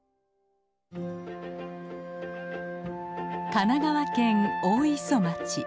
神奈川県大磯町。